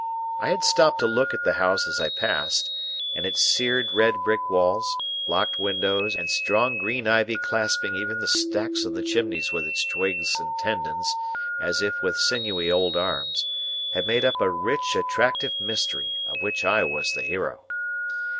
I had stopped to look at the house as I passed; and its seared red brick walls, blocked windows, and strong green ivy clasping even the stacks of chimneys with its twigs and tendons, as if with sinewy old arms, had made up a rich attractive mystery, of which I was the hero.